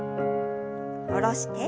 下ろして。